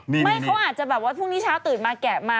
ไม่เขาอาจจะแบบว่าพรุ่งนี้เช้าตื่นมาแกะมา